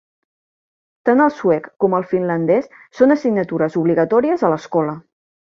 Tant el suec com el finlandès són assignatures obligatòries a l'escola.